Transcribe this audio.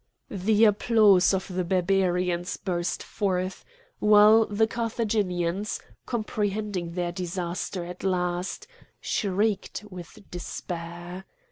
The applause of the Barbarians burst forth, while the Carthaginians, comprehending their disaster at last, shrieked with despair.